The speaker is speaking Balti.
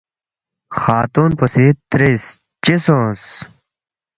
خاتون پو سی ترِس، ”چِہ سونگس؟“